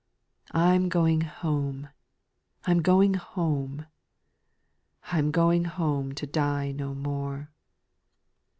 I 'm going home, I 'm going home, I 'm going home, to die no more.